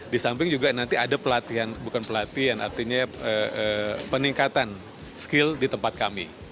di samping juga nanti ada pelatihan bukan pelatihan artinya peningkatan skill di tempat kami